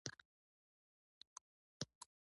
که تۀ یې راښکاره کړې زه به یې وګورمه.